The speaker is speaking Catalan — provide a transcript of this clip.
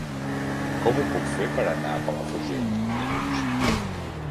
Com ho puc fer per anar a Palafrugell dilluns?